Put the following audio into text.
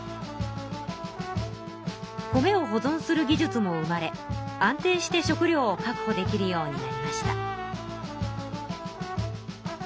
米を保ぞんする技術も生まれ安定して食りょうを確保できるようになりました。